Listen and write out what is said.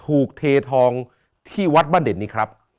เททองที่วัดบ้านเด่นนี้ครับ